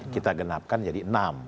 kita genapkan jadi enam